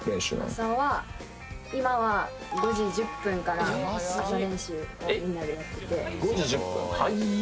朝は今は５時１０分から朝練習をみんなでやってて５時１０分？